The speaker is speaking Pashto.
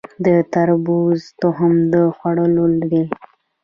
د تربوز تخم د خوړلو دی؟